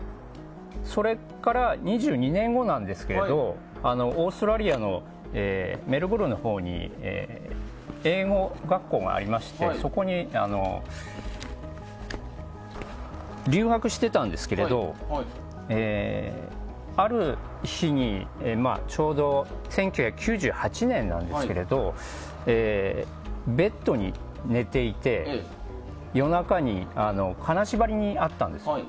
それから２２年後なんですけどオーストラリアのメルボルンのほうに英語学校がありましてそこに留学していたんですけどある日に、ちょうど１９９８年なんですけれどベッドに寝ていて夜中に金縛りに遭ったんです。